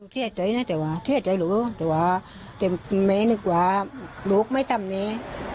เที่ยจัยไงตัวท่านเศร้านิดนึงวะรุกไม่ตามนี้